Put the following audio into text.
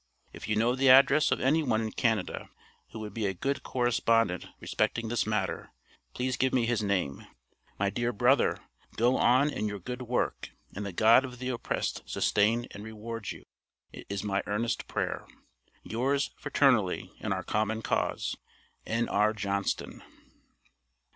If you know the address of any one in Canada, who would be a good correspondent respecting this matter, please give me his name. My dear brother, go on in your good work; and the God of the oppressed sustain and reward you, is my earnest prayer. Yours, fraternally, in our common cause, N.R. JOHNSTON.